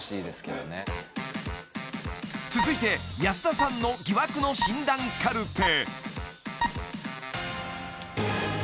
［続いて安田さんの疑惑の診断カルテ］